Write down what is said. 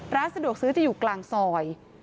ร้านสะดวกซื้อจะอยู่กลางซอย